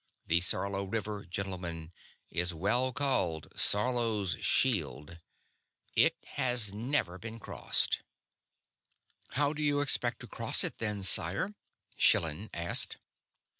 The Sarlo River, gentlemen, is well called 'Sarlo's Shield.' It has never been crossed." "How do you expect to cross it, then, sire?" Schillan asked.